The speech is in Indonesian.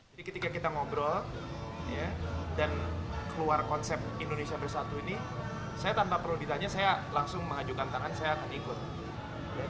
jadi ketika kita ngobrol ya dan keluar konsep indonesia bersatu ini saya tanpa perlu ditanya saya langsung mengajukan tangan saya akan ikut